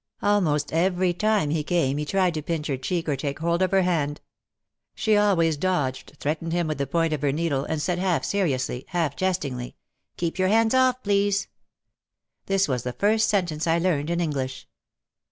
Almost every time he came he tried to pinch her cheek or take hold of her hand. She always dodged, threatened him with the point of her needle, and said half seriously, half jestingly, "Keep your hands off, please." This was the first sentence I learned in English.